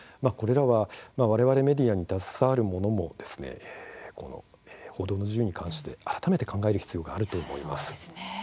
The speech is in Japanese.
我々メディアに携わる者も報道の自由に関して改めて考える必要があると思います。